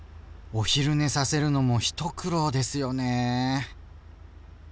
お昼寝させるのも一苦労ですよね。